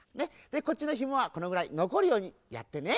こっちのひもはこのぐらいのこるようにやってね。